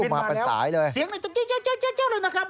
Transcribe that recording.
มาเป็นสายเลยนะครับเสียงนี้เจ๊เลยนะครับ